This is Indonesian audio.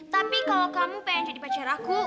tapi kalau kamu pengen jadi pacar aku